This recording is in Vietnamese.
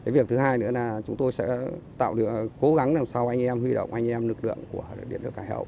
việc thứ hai nữa là chúng tôi sẽ tạo điều cố gắng làm sao anh em huy động anh em lực lượng của điện nước hải hậu